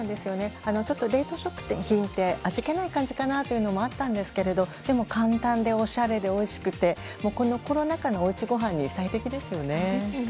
ちょっと冷凍食品って味気ない感じかなというのもあったんですけど簡単でおしゃれでおいしくてこういうコロナ禍のおうちごはんに最適ですよね。